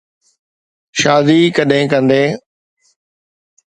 شادي ڪڏھن ڪندين؟